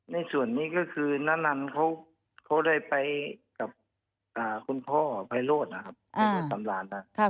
ในส่วนนี้ก็คือนั้นเขาได้ไปกับคุณพ่อไฟโลดนะครับ